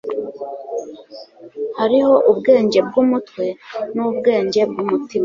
hariho ubwenge bw'umutwe, n'ubwenge bw'umutima